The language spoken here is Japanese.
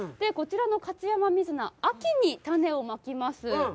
こちらの勝山水菜、秋に種をまきます。